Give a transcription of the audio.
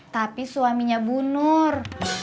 tapi suaminya bunur